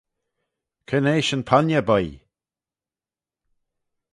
Cre'n eash yn ponniar, boy?